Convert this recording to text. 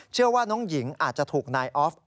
เชื่อว่าน้องหญิงอาจจะถูกนายออฟ